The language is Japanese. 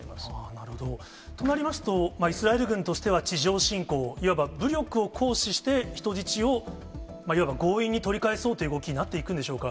なるほど。となりますと、イスラエル軍としては地上侵攻、いわば武力を行使して、人質を、いわば強引に取り返そうという動きになっていくんでしょうか。